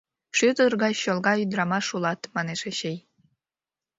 — Шӱдыр гай чолга ӱдырамаш улат, — манеш Эчей.